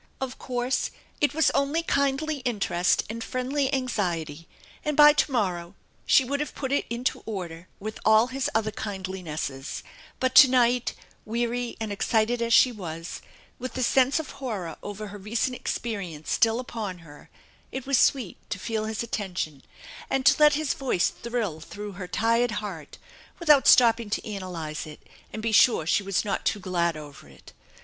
Of course it was only kindly interest and friendly anxiety, and by to morrow she would have put it into order with all his other kindlinesses, but to night, weary and excited as she was, with the sense of horror over her recent experience still upon her, it was sweet to feel hia attention, and to let his voice thrill through her tired heart, without stopping to analyze it and be sure she was not too glad over it.